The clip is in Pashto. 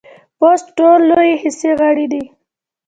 پوست ټولو لوی حسي غړی دی.